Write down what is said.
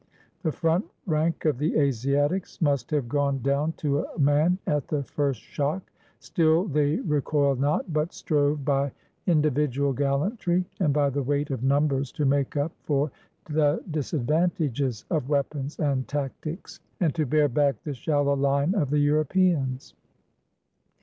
The front rank of the Asiatics must have gone down to a man at the first shock. Still they recoiled not, but strove by individual gallantry and by the weight of numbers to make up for the disadvantages of weapons and tac tics, and to bear back the shallow line of the Europeans.